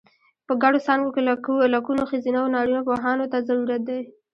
په ګڼو څانګو کې لکونو ښځینه و نارینه پوهانو ته ضرورت دی.